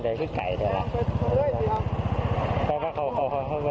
นี่ก็ถือมาเจ้าประชานี่ก็ถือมาเจ้าประชา